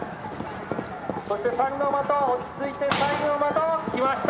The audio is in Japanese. そして三ノ的は落ち着いて最後の的きました。